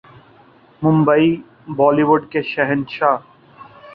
Mumbai Bollywood کے شہنشاہ